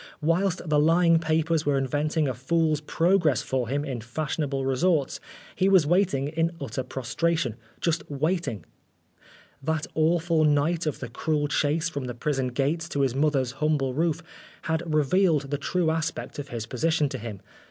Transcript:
Whilst the lying papers were inventing a Fool's Progress for him in fashionable resorts, he was waiting in utter prostration just waiting. That awful night of the cruel chase from the prison gates to his mother's humble roof had revealed the true aspect of his position to him.